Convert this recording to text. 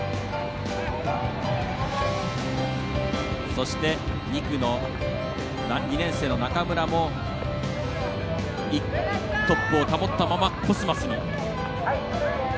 そして、２区の２年生の中村もトップを保ったまま、コスマスに。